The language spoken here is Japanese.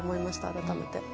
改めて。